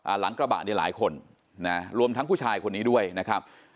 หลังกระบะเนี่ยหลายคนนะรวมทั้งผู้ชายคนนี้ด้วยนะครับ